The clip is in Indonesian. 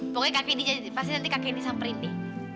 pokoknya kak kendi jadi pasti nanti kak kendi samperin di